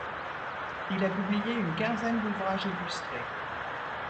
Il a publié une quinzaine d'ouvrages illustrés.